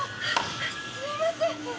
すいません。